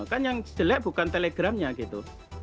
kan yang jelek bukan telegram nya gitu